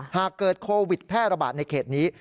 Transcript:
หากเกิดโควิดแพร่ระบาดในเขตนี้